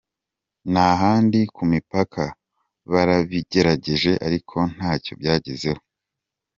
N’ahandi ku mipaka barabigerageje ariko ntacyo byagezeho”.